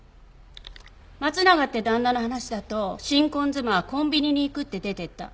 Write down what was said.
松永って旦那の話だと新婚妻はコンビニに行くって出て行った。